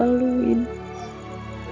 untuk memulai tim